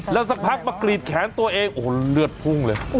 แล้วสักพักมากรีดแขนตัวเองโอ้โหเลือดพุ่งเลย